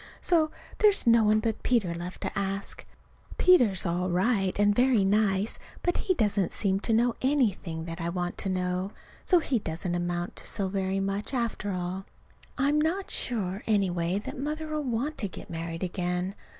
So there's no one but Peter left to ask. Peter's all right and very nice, but he doesn't seem to know anything that I want to know. So he doesn't amount to so very much, after all. I'm not sure, anyway, that Mother'll want to get married again.